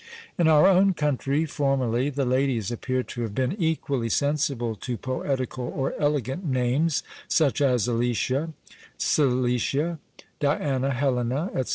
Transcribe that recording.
In our own country, formerly, the ladies appear to have been equally sensible to poetical or elegant names, such as Alicia, Celicia, Diana, Helena, &c.